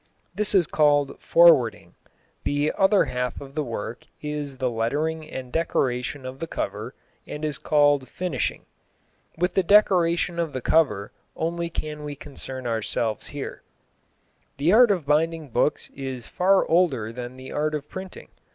This is called "forwarding." The other half of the work is the lettering and decoration of the cover, and is called "finishing." With the decoration of the cover only can we concern ourselves here. The art of binding books is far older than the art of printing.